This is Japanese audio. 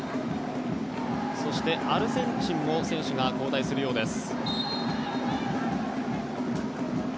そしてアルゼンチンも選手が交代するようです。